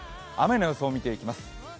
雨の予想を見ていきます。